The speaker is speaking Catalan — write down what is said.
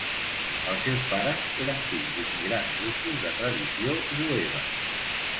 Els seus pares eren fills d'immigrants russos de tradició jueva.